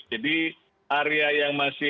jadi area yang masih